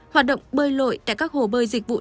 hoạt động bơi lội tại các hồ bơi dịch vụ